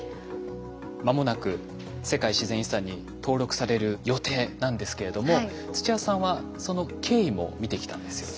間もなく世界自然遺産に登録される予定なんですけれども土屋さんはその経緯も見てきたんですよね。